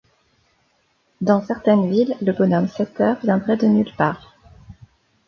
Dans certaines villes, le Bonhomme Sept Heures viendrait de nulle part.